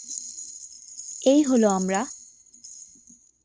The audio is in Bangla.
এই হলো আমরা।